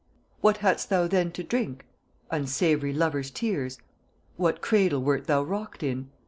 "What had'st thou then to drink?" "Unsavoury lovers' tears." "What cradle wert thou rocked in?"